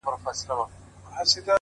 غلطۍ کي مي د خپل حسن بازار مات کړی دی ـ